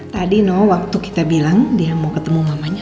tadi no waktu kita bilang dia mau ketemu mamanya